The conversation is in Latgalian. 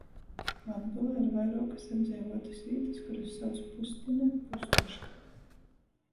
Latgolā ir vairuokys apdzeivuotys vītys, kurys sauc Pustine, Pustoška.